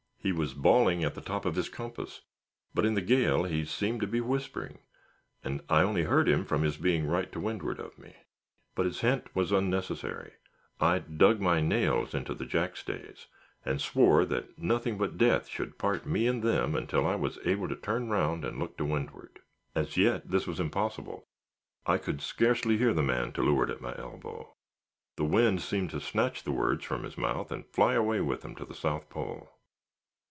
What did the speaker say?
He was bawling at the top of his compass; but in the gale, he seemed to be whispering, and I only heard him from his being right to windward of me. But his hint was unnecessary; I dug my nails into the jackstays, and swore that nothing but death should part me and them until I was able to turn round and look to windward. As yet this was impossible; I could scarcely hear the man to leeward at my elbow; the wind seemed to snatch the words from his mouth and fly away with them to the South Pole.